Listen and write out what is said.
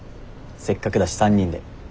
せっかくだし３人で。